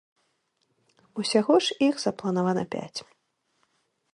Усяго ж іх запланавана пяць.